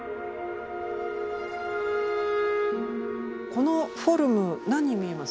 このフォルムなんに見えます？